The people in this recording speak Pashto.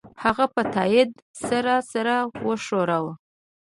هغه په تایید سره سر وښوراوه